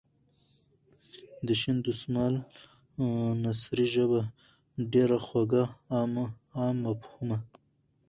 د شین دسمال نثري ژبه ډېره خوږه ،عام فهمه.